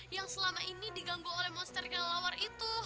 yang selama ini diganggu oleh monster yang lawar itu